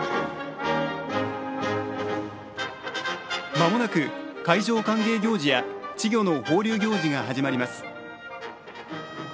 まもなく海上歓迎行事や稚魚の放流行事が始まります。